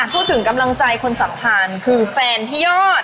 พูดถึงกำลังใจคนสำคัญคือแฟนพี่ยอด